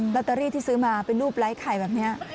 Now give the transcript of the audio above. ตเตอรี่ที่ซื้อมาเป็นรูปไร้ไข่แบบนี้